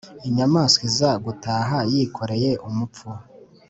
inyamaswa iza gutaha yikoreye umupfu